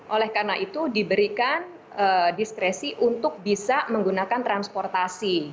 oleh karena itu diberikan diskresi untuk bisa menggunakan transportasi